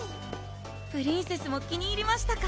プリンセスも気に入りましたか